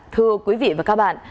thưa quý vị và các bạn